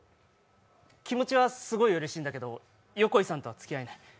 気持ちはすごいうれしいんだけど、横井さんとは付き合えない。